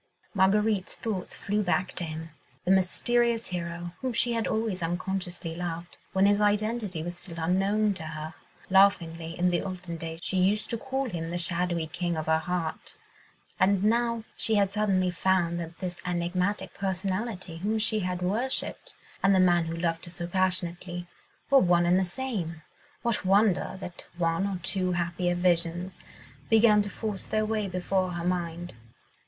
Marguerite's thoughts flew back to him, the mysterious hero, whom she had always unconsciously loved, when his identity was still unknown to her. Laughingly, in the olden days, she used to call him the shadowy king of her heart, and now she had suddenly found that this enigmatic personality whom she had worshipped, and the man who loved her so passionately, were one and the same: what wonder that one or two happier Visions began to force their way before her mind?